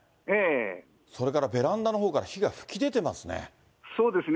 それからベランダのほうから火が噴き出てますね。